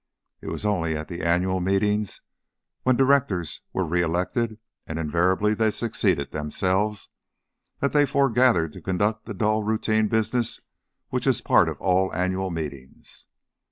It was only at the annual meetings when directors were re elected and invariably they succeeded themselves that they forgathered to conduct the dull routine business which is a part of all annual meetings.